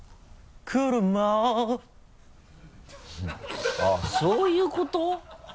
車あっそういうこと？